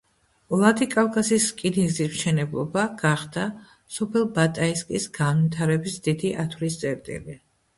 ვლადიკავკაზის რკინიგზის მშენებლობა გახდა სოფელ ბატაისკის განვითარების დიდი ათვლის წერტილი.